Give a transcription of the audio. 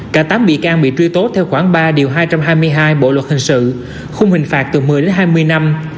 cả tám bị can bị truy tố theo khoảng ba điều hai trăm hai mươi hai bộ luật hình sự không hình phạt từ một mươi đến hai mươi năm